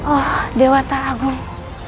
oh dewa taagung